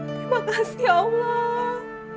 terima kasih allah